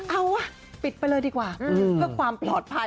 เอาว่ะปิดไปเลยดีกว่าเพื่อความปลอดภัย